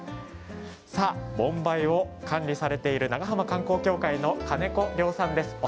さあ、盆梅を管理されている長浜観光協会の金子遼さんです。